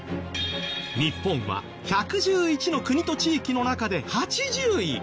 日本は１１１の国と地域の中で８０位。